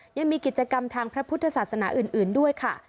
ยังมีกิจกรรมทางพระพุทธศาสนาอื่นด้วยค่ะ